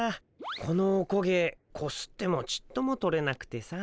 このおこげこすってもちっとも取れなくてさ。